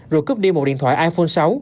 rồi cúp đi một điện thoại iphone sáu